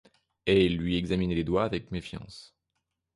Et il lui examinait les doigts avec méfiance.